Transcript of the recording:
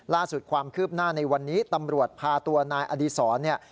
ล่าสุดความคืบหน้าในวันนี้ตำรวจพาตัวนายอดีศรเนี่ย